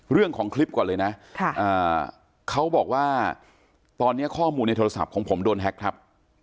เรื่องของคลิปก่อนเลยนะเขาบอกว่าตอนนี้ข้อมูลในโทรศัพท์ของผมโดนแฮ็กครับ